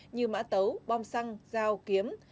như mã tấu bom xăng dao kiếm